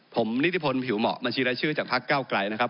ผมนิติพลผิวเหมาะบัญชีรายชื่อจากพักเก้าไกลนะครับ